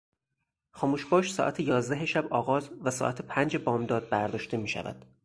خاموشباش ساعت یازده شب آغاز و ساعت پنج بامداد برداشته میشود.